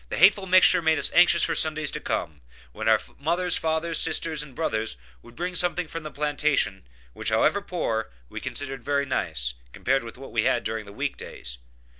The hateful mixture made us anxious for Sundays to come, when our mothers, fathers, sisters and brothers would bring something from the plantation, which, however poor, we considered very nice, compared with what we had during the week days.